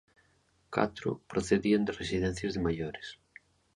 Catro procedían de residencias de maiores.